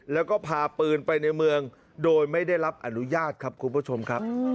แล้วก็พาปืนไปในเมืองโดยไม่ได้รับอนุญาตครับคุณผู้ชมครับ